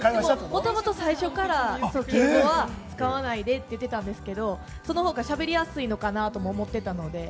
もともと最初から敬語は使わないでって言ってたんですけれども、その方が喋りやすいのかなとも思ってたので。